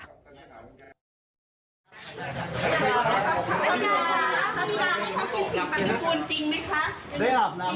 พระบิดาครับคุณผู้ชม